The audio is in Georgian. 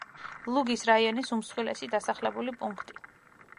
ლუგის რაიონის უმსხვილესი დასახლებული პუნქტი.